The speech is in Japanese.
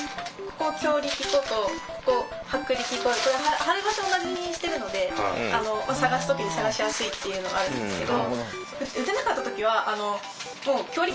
これ貼る場所同じにしてるので探す時に探しやすいっていうのがあるんですけど。